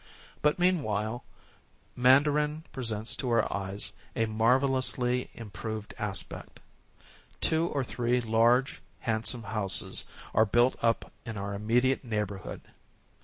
But, meanwhile, Man darin presents to our eyes a marvellously im proved aspect. Two or three large, handsome houses are built up in our immediate neighbor hood.